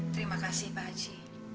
terima kasih pak haji